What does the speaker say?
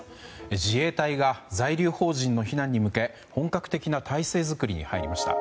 自衛隊が在留邦人の避難に向けて本格的な態勢作りに入りました。